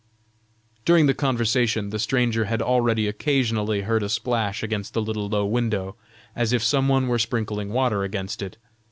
During the conversation, the stranger had already occasionally heard a splash against the little low window, as if some one were sprinkling water against it.